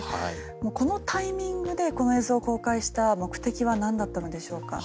このタイミングでこの映像を公開した目的は何だったのでしょうか。